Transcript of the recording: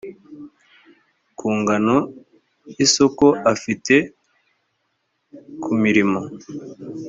ku ngano y isoko afite kumurimo